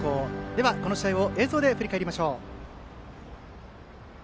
では、この試合を映像で振り返りましょう。